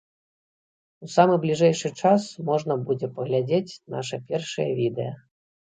У самы бліжэйшы час можна будзе паглядзець наша першае відэа.